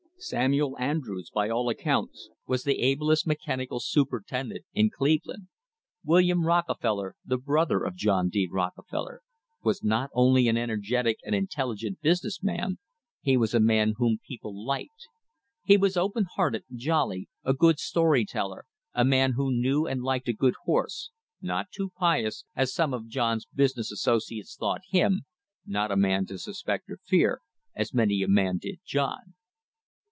Samuel Andrews, by all accounts, was the ablest mechan ical superintendent in Cleveland. William Rockefeller, the brother of John D. Rockefeller, was not only an energetic and intelligent business man, he was a man whom people liked. He was open hearted, jolly, a good story teller, a man who knew and liked a good horse — not too pious, as some of John's business associates thought him, not a man to suspect or fear, as many a man did John.